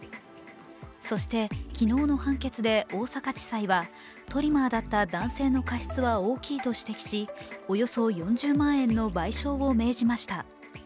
そして、昨日の判決で大阪地裁はトリマーだった男性の過失は大きいと指摘し、およそ４０万円の賠償を命じました。